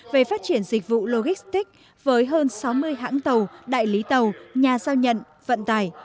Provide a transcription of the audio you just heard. về phát triển dịch vụ logistics với hơn sáu mươi hãng tàu đại lý tàu nhà giao nhận vận tải